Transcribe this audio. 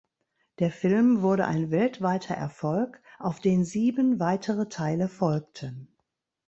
Der Film wurde ein weltweiter Erfolg, auf den sieben weitere Teile folgten.